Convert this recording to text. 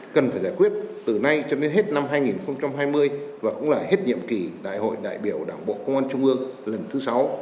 cần phải giải quyết từ nay cho đến hết năm hai nghìn hai mươi và cũng là hết nhiệm kỳ đại hội đại biểu đảng bộ công an trung ương lần thứ sáu